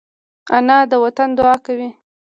انا د وطن دعا کوي